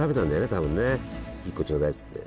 多分ね一個ちょうだいっつって。